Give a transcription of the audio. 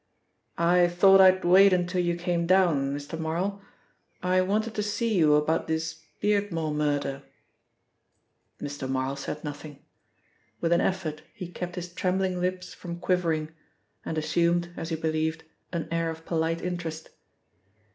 "I thought I'd wait until you came down, Mr. Marl. I wanted to see you about this Beardmore murder." Mr. Marl said nothing. With an effort he kept his trembling lips from quivering, and assumed, as he believed, an air of polite interest.